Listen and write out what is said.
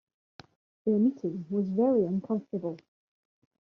Their meeting was very uncomfortable.